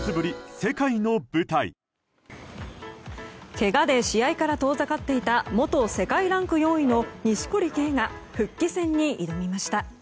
けがで試合から遠ざかっていた元世界ランク４位の錦織圭が復帰戦に挑みました。